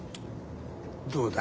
どうだ？